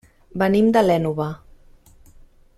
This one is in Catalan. Venim de l'Ènova.